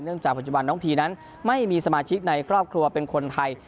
จากปัจจุบันน้องพีนั้นไม่มีสมาชิกในครอบครัวเป็นคนไทย